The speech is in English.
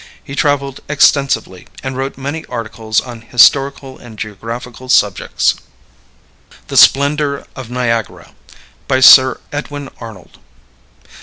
He traveled extensively, and wrote many articles on historical and geographical subjects. THE SPLENDOR OF NIAGARA. BY SIR EDWIN ARNOLD.